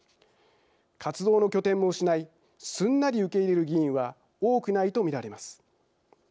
活動の拠点も失いすんなり受け入れる議員は多くないと見られます。